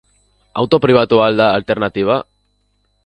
Auto pribatua al da alternatiba?